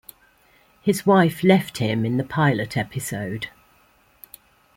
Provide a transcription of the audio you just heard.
His wife left him in the pilot episode.